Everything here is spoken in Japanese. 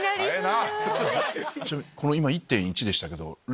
今１．１でしたけど。